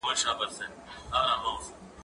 زه هره ورځ د کتابتون د کار مرسته کوم؟